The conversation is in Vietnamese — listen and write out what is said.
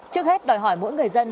trước hết đòi hỏi mỗi người dân